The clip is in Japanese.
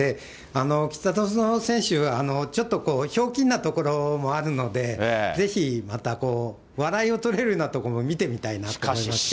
北園選手は、ちょっとひょうきんなところもあるので、ぜひ、また笑いを取れるようなところも見てみたいなって思いましたよね。